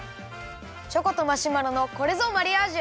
チョコとマシュマロのこれぞマリアージュ！